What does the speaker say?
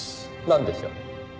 なんでしょう？